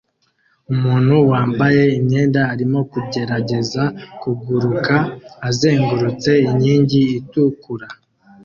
Umuntu wambaye imyenda arimo kugerageza kuguruka azengurutse inkingi itukura